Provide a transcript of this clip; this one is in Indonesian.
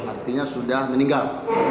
artinya sudah meninggal